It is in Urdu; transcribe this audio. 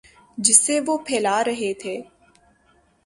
جسے وہ پھیلا رہے تھے۔